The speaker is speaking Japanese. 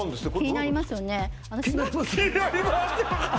「気になりますよね」